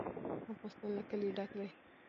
افغانستان له کلي ډک دی.